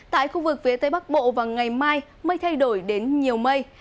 tại khu vực phía tây bắc bộ vào ngày mai mây thay đổi đến nhiều mây